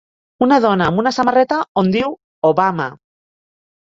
una dona amb una samarreta on diu Obama